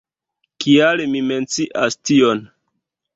Kial mi mencias tion?